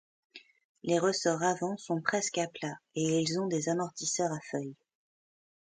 Les ressorts avant sont presque à plat et ils ont des amortisseur à feuilles.